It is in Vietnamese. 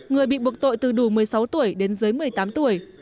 người bị buộc tội từ đủ một mươi sáu tuổi đến dưới một mươi tám tuổi